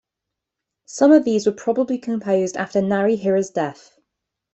Some of these were probably composed after Narihira's death.